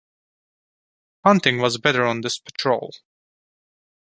Hunting was better on this patrol.